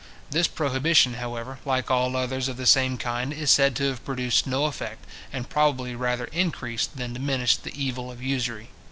This prohibition, however, like all others of the same kind, is said to have produced no effect, and probably rather increased than diminished the evil of usury.